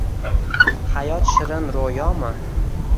Hayot shirin roʻyomi